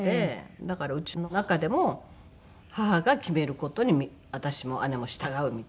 だから家の中でも母が決める事に私も姉も従うみたいな。